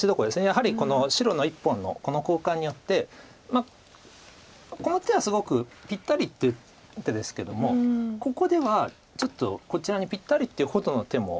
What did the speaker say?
やはりこの白の１本の交換によってこの手はすごくぴったりっていう手ですけどもここではちょっとこちらにぴったりっていうほどの手も。